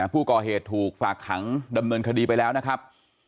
ผู้ก่อเหตุถูกฝากขังดำเนินคดีไปแล้วนะครับ